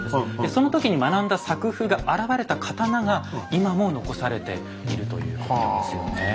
その時に学んだ作風があらわれた刀が今も残されているということですよね。